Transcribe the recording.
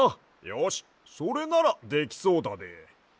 よしそれならできそうだで。